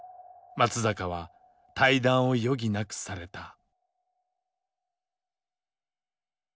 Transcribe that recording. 松坂は退団を余儀なくされた。